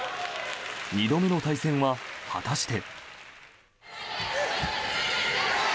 ２度目の対戦は果たして。